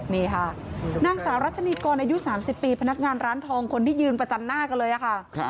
นี่ค่ะนางสาวรัชนีกรอายุ๓๐ปีพนักงานร้านทองคนที่ยืนประจันหน้ากันเลยค่ะ